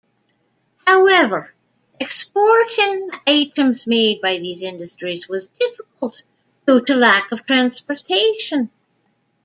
However, exporting items made by these industries was difficult due to lack of transportation.